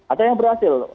ada yang berhasil